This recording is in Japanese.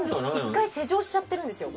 １回施錠しちゃってるんですよ